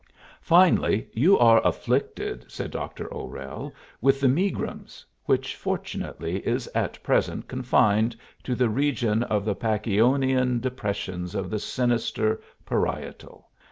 Finally, "You are afflicted," said Dr. O'Rell, "with the megrims, which, fortunately, is at present confined to the region of the Pacchionian depressions of the sinister parietal.